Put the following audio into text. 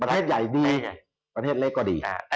ประเทศใหญ่ดีประเทศเล็กก็ดี